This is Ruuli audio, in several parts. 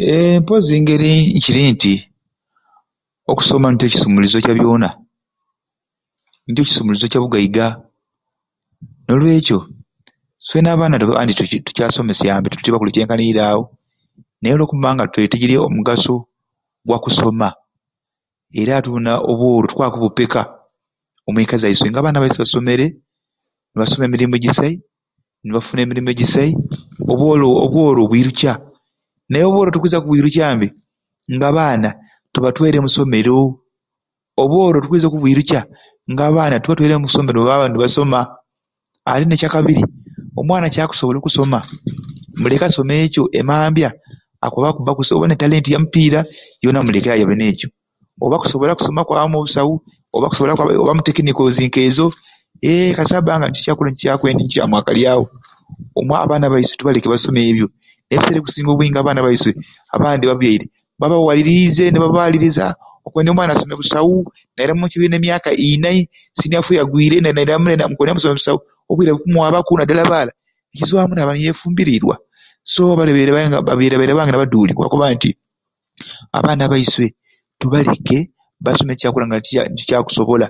Eeeh mpozi engeri nkiri nti okusoma nikyo kisumulizo kya byona, nikyo kisumulizo kya bugaiga, nolwekyo swena abaana andi tukyasomesyambe tutyo abakulu ekyenkanire awo naye olwokuba nga twetejerye omugaso ogwa kusoma era ati buni aa obworo tukwakubupeeka omwekka zaiswe nga abaana baiswe basomere nibasoma emirimu ejisai, nibafuna emirimu ejisai, obworo obwirukya, naye obworo tokwiza kubuirukyambe nga abaana tobatwaire musomero obworo tukwiza okubirukya nga abaana tobatwaire musomero nibasoma ate nekyakabiri omwana kyakusobola okusoma muleke asome ekyo emambya akwaba kuba kusai oba Alina etalenti ya mupiira yona muleke ayabe nekyo oba akusobola kusoma kwaba mubusawu oba akusobola kwaba mutekiniko nkezo eeeh kasita abba nga kyako kyakwendya tikyamwakalye kubi awo omu abaana baiswe tubaleke basome ebyo naye ebiseera ebikusinga obwingi abaana baiswe abandi ababyaire babawalirize nibabaliriza okwendya omwana asome busawu nairamu ekibina emyaka inai siniya ffo yagwire nairamu nambu okwendya asome busawu obwire bukumwabaku nadala abala ekizwamu nayaba niyefumbirirwa so ababyaire babyaire baira bange nabaduuli nkubakoba nti abaana baiswe tubaleke basome kyakura nga nikyo akusobola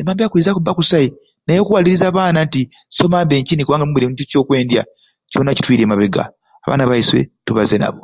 emambya akwiza kuba kusai naye okuwaliriza abaana nti somambe nkini kubanga ombyaire nikyo kyokwendya kyona kitwiirye mabeega abaana baiswe tubaze nabo.